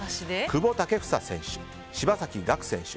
久保建英選手、柴崎岳選手